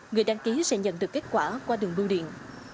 người đăng ký sẽ nhận được kết quả qua đường bưu điện